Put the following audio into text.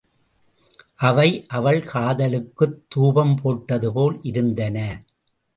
அவை அவள் காதலுக்குத் துாபம் போட்டதுபோல் இருந்தன.